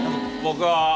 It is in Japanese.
僕は。